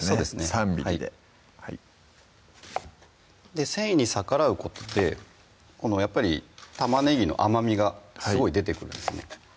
３ｍｍで繊維に逆らうことでやっぱり玉ねぎの甘みがすごい出てくるんですね